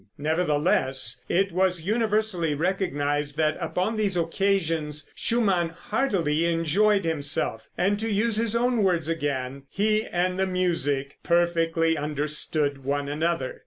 Nevertheless, it was universally recognized that upon these occasions Schumann heartily enjoyed himself, and to use his own words again, he and the music "perfectly understood one another."